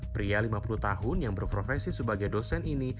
pria lima puluh tahun yang berprofesi sebagai dosen ini